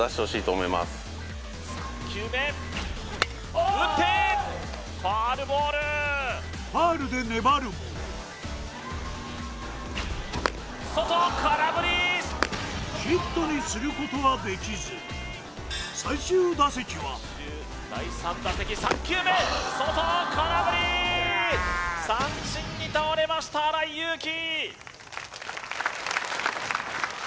３球目打ってファウルボールファウルで粘るも外空振りヒットにすることができず最終打席は３球目外空振り三振に倒れました荒井優聖